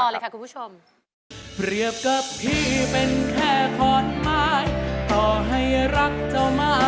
ล้างหูรอเลยค่ะคุณผู้ชม